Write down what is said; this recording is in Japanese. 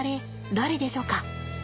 誰でしょか？